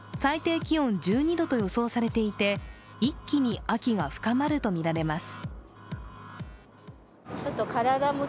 最低気温１２度と予想されていて、一気に秋が深まるとみられます。